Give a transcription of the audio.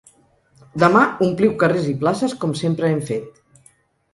Demà ompliu carrers i places com sempre hem fet.